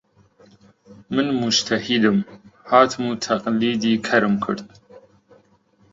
من موجتەهیدم، هاتم و تەقلیدی کەرم کرد